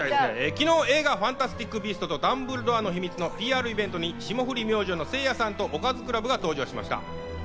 昨日、映画『ファンタスティック・ビーストとダンブルドアの秘密』のＰＲイベントに霜降り明星のせいやさんとおかずクラブが登場しました。